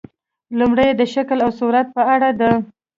لومړۍ یې د شکل او صورت په اړه ده.